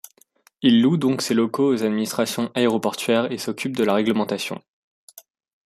Il loue donc ses locaux aux administrations aéroportuaires et s'occupe de la réglementation.